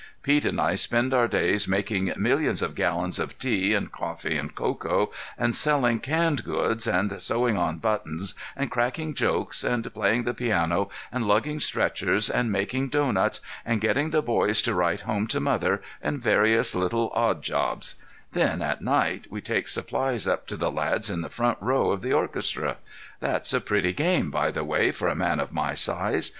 Pete and I spend our days making millions of gallons of tea and coffee and cocoa, and selling canned goods, and sewing on buttons, and cracking jokes, and playing the piano, and lugging stretchers, and making doughnuts, and getting the boys to write home to mother, and various little odd jobs; then, at night, we take supplies up to the lads in the front row of the orchestra. That's a pretty game, by the way, for a man of my size.